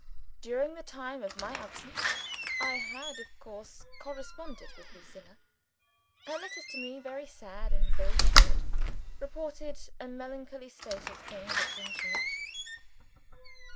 During the time of my absence, I had of course corresponded with Lucilla. Her letters to me very sad and very short reported a melancholy state of things at Dimchurch.